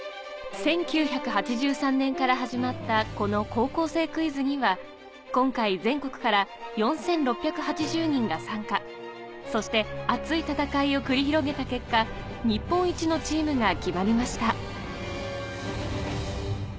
１９８３年から始まったこの『高校生クイズ』には今回全国から４６８０人が参加そして熱い戦いを繰り広げた結果日本一のチームが決まりました